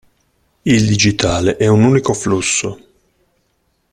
Il digitale è un unico flusso.